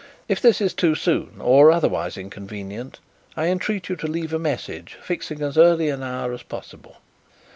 If this is too soon or otherwise inconvenient I entreat you to leave a message fixing as early an hour as possible.